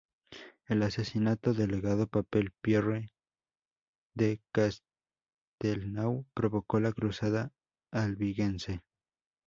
El asesinato del legado papal Pierre de Castelnau provocó la cruzada albigense.